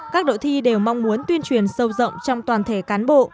các đội thi đều mong muốn tuyên truyền sâu rộng trong toàn thể cán bộ